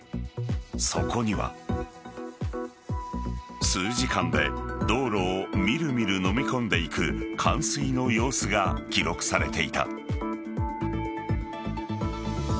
そこには数時間で道路をみるみるのみ込んでいく冠水の様子が記録されていた。